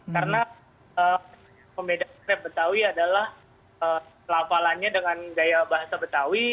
karena pembedaan krebs betawi adalah lapalannya dengan gaya bahasa betawi